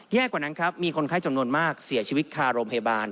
กว่านั้นครับมีคนไข้จำนวนมากเสียชีวิตคาโรงพยาบาล